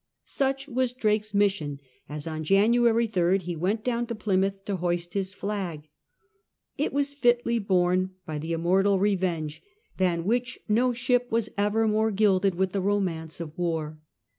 Such was Drake's mission, as on January 3rd he went down to Plymouth to hoist his flag. It was fitly borne by the immortal Revenge, than which no ship was ever more gilded with the romance of war.